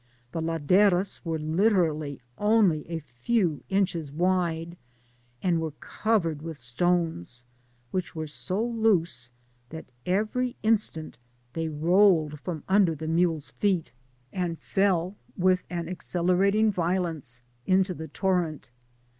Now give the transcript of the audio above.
The laderas were lite rally only a few inches wide, and were covered with stones, which were so loose, that every instant they rolled from under the mules' feet, and fell with an accelerating violence into the torrent.